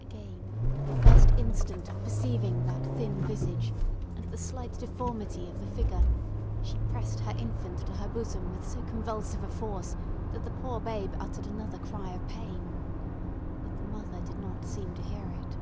Again, at the first instant of perceiving that thin visage, and the slight deformity of the figure, she pressed her infant to her bosom with so convulsive a force that the poor babe uttered another cry of pain. But the mother did not seem to hear it.